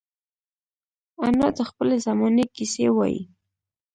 انا د خپلې زمانې کیسې وايي